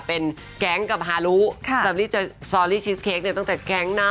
เป็นแก๊งกับฮารุซอรี่ชิสเค้กเนี่ยตั้งแต่แก๊งนะ